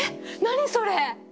何それ！？